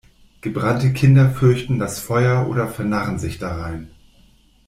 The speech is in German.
Gebrannte Kinder fürchten das Feuer oder vernarren sich darein.